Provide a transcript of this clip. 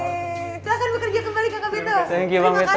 silahkan bekerja kembali kakak beto